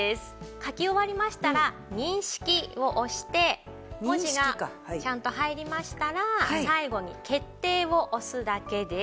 書き終わりましたら「認識」を押して文字がちゃんと入りましたら最後に「決定」を押すだけです。